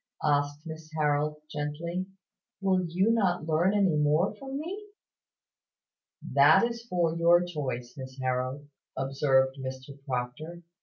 asked Miss Harold, gently. "Will you not learn any more from me?" "That is for your choice, Miss Harold," observed Mrs Proctor.